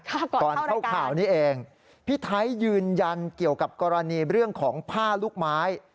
ก่อนเข้าข่าวนี้เองพี่ไทยยืนยันเกี่ยวกับกรณีเรื่องของผ้าลูกไม้